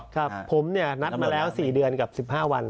ครับผมนัดมาแล้ว๔เดือนกับ๑๕วัน